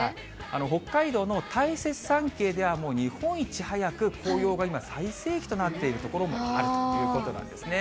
北海道の大雪山系では日本一早く、紅葉が今、最盛期となっている所もあるということなんですね。